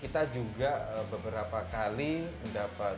kita juga beberapa kali mendapatkan simracing yang berbeda